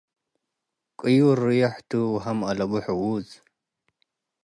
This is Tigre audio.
ቅዩር ርዮሕ ቱ ወሀም አለቡ ሕዉዝ።